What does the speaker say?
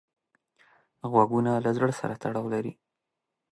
غوږونه له زړه سره تړاو لري